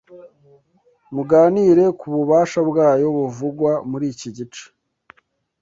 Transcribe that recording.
Muganire ku bubasha bwayo buvugwa muri iki gice